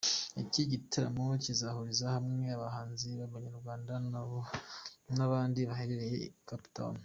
Iki gitaramo kizahuriza hamwe abahanzi ba banyarwanda n'abarundi baherereye i CapeTown.